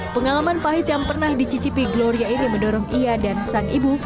pengalaman pahit yang pernah dicicipi gloria ini mendorong ia dan sang ibu